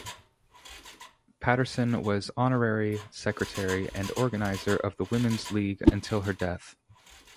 Paterson was honorary secretary and organizer of the Women's League until her death.